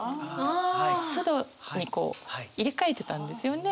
簾戸に入れ替えてたんですよね。